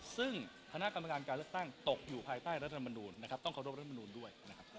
ซึ่งคณะกรรมการเกล็ดตั้งตกอยู่ภายใต้รัฐมนูนต้องเคารพรรดมนูนด้วย